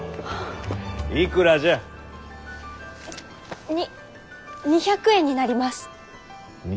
いくらじゃ。に２００円になります！に